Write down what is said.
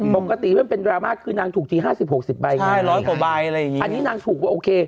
ปกติว่าเป็นดราม่าคือนางถูกที๕๐๖๐ใบไงอันนี้นางถูกว่าโอเค